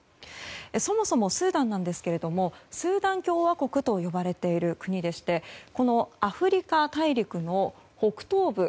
そもそもスーダンなんですがスーダン共和国と呼ばれている国でしてアフリカ大陸の北東部